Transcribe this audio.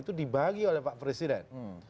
itu dibagi oleh pak presiden